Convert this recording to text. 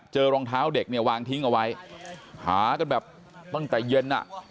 รองเท้าเด็กเนี่ยวางทิ้งเอาไว้หากันแบบตั้งแต่เย็นอ่ะ